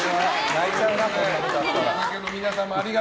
泣いちゃうなこんなことあったら。